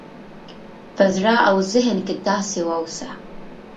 په زړه او ذهن کې داسې واوسه